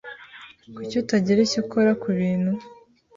Kuki utagira icyo ukora kubintu?